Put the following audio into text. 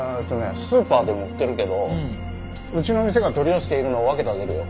スーパーでも売ってるけどうちの店が取り寄せているのを分けてあげるよ。